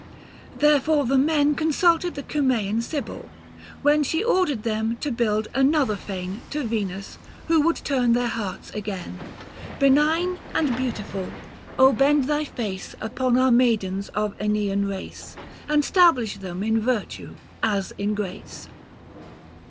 Therefore the men Consulted the Cuinsean Sibyl ; when She ordered them to build another fane To Venus, who would " turn their hearts " again. 175 Benign and beautiful, bend thy face, Upon our maidens of iEneian race, And stablish them in virtue as in grace.